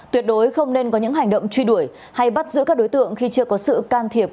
tuyệt đối không nên có những hành động truy đuổi hay bắt giữ các đối tượng khi chưa có sự can thiệp